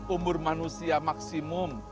umur manusia maksimum